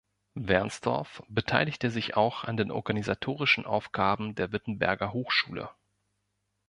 Wernsdorf beteiligte sich auch an den organisatorischen Aufgaben der Wittenberger Hochschule.